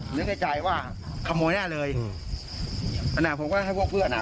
นึกในใจว่าขโมยแน่เลยอืมอันเนี้ยผมก็ให้พวกเพื่อนอ่ะ